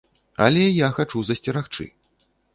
Але я хачу засцерагчы.